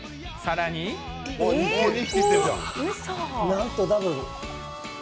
なんとダブル！